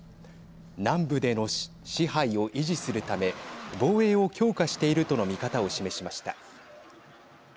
南部での支配を維持するため防衛を強化しているとの見方を示しました。